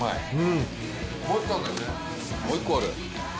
もう１個ある？